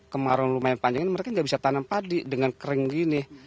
kemarau lumayan panjang ini mereka nggak bisa tanam padi dengan kering gini